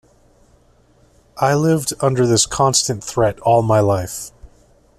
I lived under this constant threat all my life.